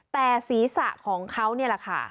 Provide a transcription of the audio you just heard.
แต่ศีรษะของเขานี่แหละค่ะ